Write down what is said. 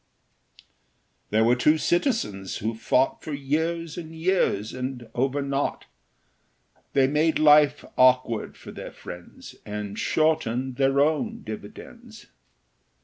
There were two citizens who fought For years and years, and over nought; They made life awkward for their friends, And shortened their own dividends.